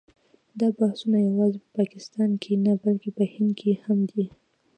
دا بحثونه یوازې په پاکستان کې نه بلکې په هند کې هم دي.